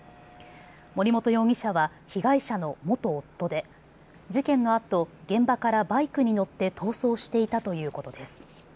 森本容疑者は被害者の元夫で事件のあと現場からバイクに乗って逃走していたということです。